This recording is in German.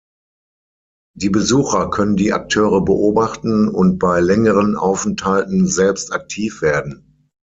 Die Besucher können die Akteure beobachten und bei längeren Aufenthalten selbst aktiv werden.